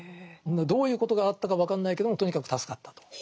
どういうことがあったか分かんないけどもとにかく助かったと。